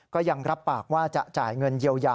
ก็ยังรับปากว่าจะจ่ายเงินเยียวยา